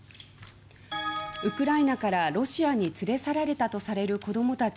ウクライナからロシアに連れ去られたとされる子供たち